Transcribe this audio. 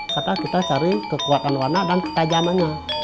karena kita cari kekuatan warna dan ketajamannya